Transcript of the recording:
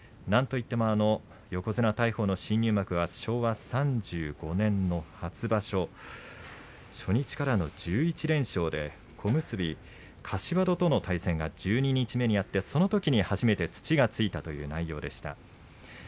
なんとしても横綱大鵬の新入幕は昭和３５年の初場所初日からの１１連勝で小結柏戸との対戦が十二日目にあってそのとき初めて土がついたという内容でした。